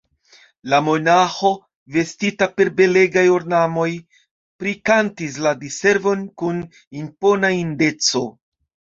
La monaĥo, vestita per belegaj ornamoj, prikantis la Diservon kun impona indeco.